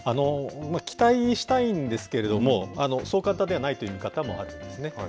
期待したいんですけれども、そう簡単ではないという見方もあるんですね。